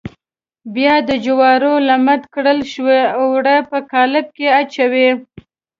بیا د جوارو لمد کړل شوي اوړه په قالب کې اچوي.